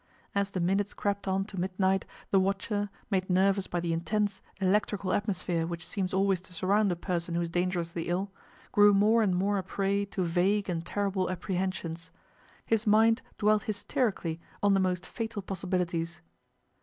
As the minutes crept on to midnight the watcher, made nervous by the intense, electrical atmosphere which seems always to surround a person who is dangerously ill, grew more and more a prey to vague and terrible apprehensions. His mind dwelt hysterically on the most fatal possibilities.